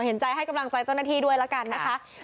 เห็นใจให้กำลังใจเจ้าหน้าที่ด้วยแล้วกันนะคะ